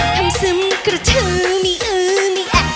ทำซึมกระชื้อมีอื้อมีแอบ